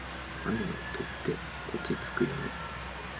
雨の音って落ち着くよね。